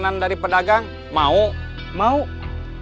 adi juga bahkan menyenang